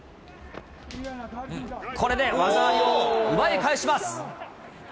これで技ありを奪い返します。